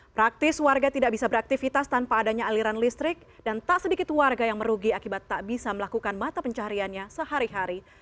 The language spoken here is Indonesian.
praktis warga tidak bisa beraktivitas tanpa adanya aliran listrik dan tak sedikit warga yang merugi akibat tak bisa melakukan mata pencariannya sehari hari